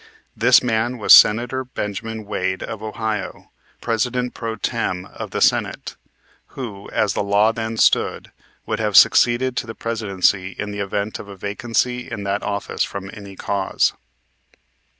This man was Senator Benjamin Wade, of Ohio, President pro tem. of the Senate, who, as the law then stood, would have succeeded to the Presidency in the event of a vacancy in that office from any cause.